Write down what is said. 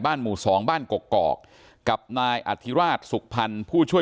หมู่สองบ้านกกอกกับนายอธิราชสุขพันธ์ผู้ช่วย